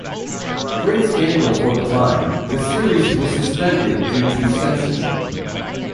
A great scandal for the time, the series was suspended due to censorship.